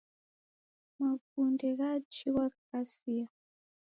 Mavunde ghajighwa ghikasia.